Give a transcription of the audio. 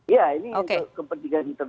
ya ini untuk kepentingan internal polri